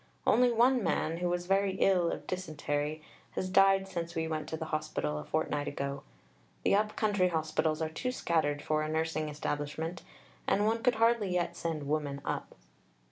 Only one man, who was very ill of dysentery, has died since we went to the hospital a fortnight ago. The up country hospitals are too scattered for a nursing establishment, and one could hardly yet send women up."